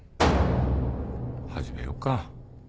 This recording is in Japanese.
始めようか。